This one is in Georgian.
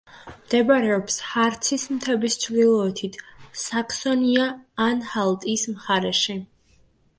მდებარეობს ჰარცის მთების ჩრდილოეთით, საქსონია-ანჰალტის მხარეში.